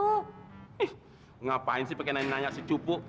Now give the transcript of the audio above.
ih ngapain sih pengen nanya nanya si cupu